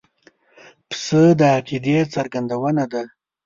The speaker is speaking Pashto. پسه د عقیدې څرګندونه ده.